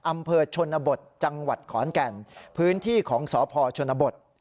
อำเภอชนบทจังหวัดขอนแก่นพื้นที่ของสพชนบท